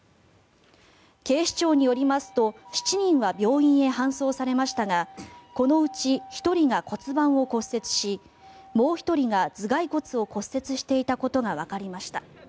警視庁によりますと７人は病院へ搬送されましたがこのうち１人が骨盤を骨折しもう１人が頭がい骨を骨折していたことがわかりました。